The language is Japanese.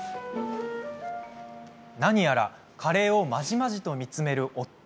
何やらカレーをまじまじと見つめる夫。